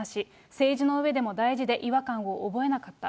政治のうえでも大事で違和感を覚えなかった。